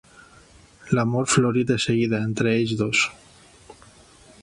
L'amor florí de seguida entre ells dos.